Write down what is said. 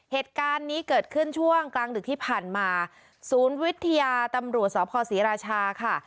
เหตุการณ์นี้เกิดขึ้นช่วงกลางดึกที่ผ่านมาศูนย์วิทยาตำรวจสภศรีราชาค่ะ